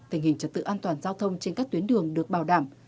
tình hình trật tự an toàn giao thông trên các tuyến đường được bảo đảm